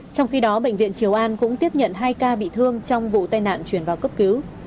trong khi đó bệnh viện triều an cũng tiếp nhận hai ca bị thương trong vụ tai nạn chuyển vào cấp cứu